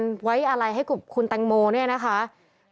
คือแม้ว่าจะมีการเลื่อนงานชาวพนักกิจแต่พิธีไว้อาลัยยังมีครบ๓วันเหมือนเดิม